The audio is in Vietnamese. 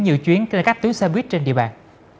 nhiều chuyến các tuyến xe buýt trên địa bàn